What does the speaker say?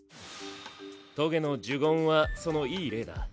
棘の呪言はそのいい例だ。